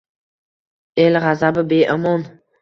El g’azabi — beomon.